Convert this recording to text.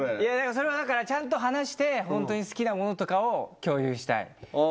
それはだからちゃんと話してホントに好きなものとかを共有したい。